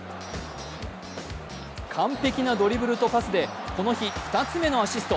完璧なドリブルとパスでこの日、２つ目のアシスト。